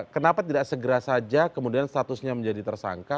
kenapa tidak segera saja kemudian statusnya menjadi tersangka